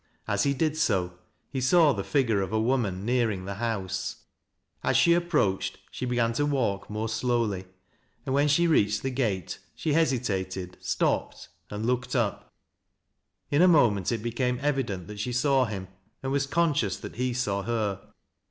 As he did so, he saw the figure of a woman nearing the house. As she approached, she began tc walk more slowly, and when she reached tb« 236 TKAT LASS Q LOWBIE'S. gate Bhe hesitated, stopped and looked up. in a moment it became evident that she saw him, and was conscious that he saw her.